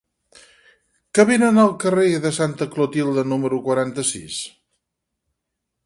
Què venen al carrer de Santa Clotilde número quaranta-sis?